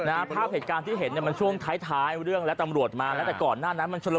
อ้าวอ้าวอ้าวอ้าวอ้าวอ้าวอ้าวอ้าวอ้าวอ้าวอ้าวอ้าวอ้าว